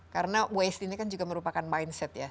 karena waste ini kan juga merupakan mindset ya